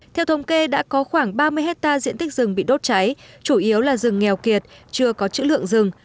theo thông kê đã có khoảng ba mươi hectare diện tích rừng bị đốt cháy chủ yếu là rừng nghèo kiệt chưa có chữ lượng rừng